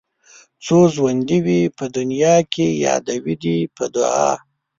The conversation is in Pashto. څو ژوندي وي په دنيا کې يادوي دې په دعا